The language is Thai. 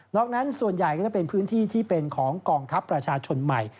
อกนั้นส่วนใหญ่ก็จะเป็นพื้นที่ที่เป็นของกองทัพประชาชนใหม่